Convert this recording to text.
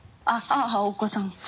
あぁお子さん。